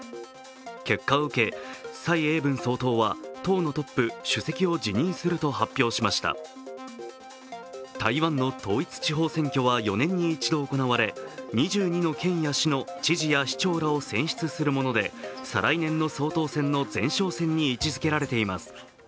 結果を受け、蔡英文総統は党のトップ、主席を辞任すると発表しました台湾の統一地方選挙は４年に一度行われ２２の県や市の知事や市長らを選出するもので、再来年の総統選の前哨戦に位置づけられています。